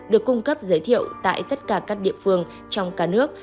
được cung cấp giới thiệu tại tất cả các địa phương trong cả nước